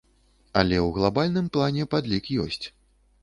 Але ў глабальным плане падлік ёсць.